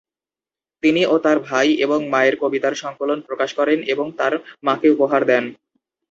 তিনি ও তার ভাই তার মায়ের কবিতার সংকলন প্রকাশ করেন এবং তার মাকে উপহার দেন।